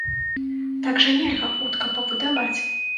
Так жа нельга хутка пабудаваць.